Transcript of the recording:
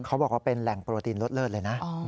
เขาบอกว่าเป็นแหล่งโปรตีนรสเลิศเลยนะ